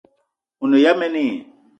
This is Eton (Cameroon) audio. O ne ya mene i?